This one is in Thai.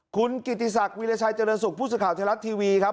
คุณกิติศักดิ์วิลชัยเจริญสุขพูดสุข่าวเทลาท์ทีวีครับ